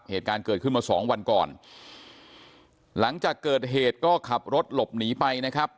เหตุการณ์เกิดขึ้นมาสองวันก่อนหลังจากเกิดเหตุก็ขับรถหลบหนีไปนะครับ